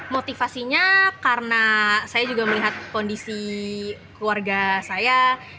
motivasinya karena saya juga melihat kondisi keluarga saya